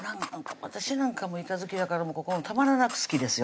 私なんかいか好きだからここもたまらなく好きですよ